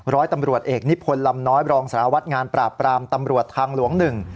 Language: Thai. ร้อยตำรวจเอกนิพนธ์ลำน้อยบรองสารวัตรงานปราบปรามตำรวจทางหลวงหนึ่ง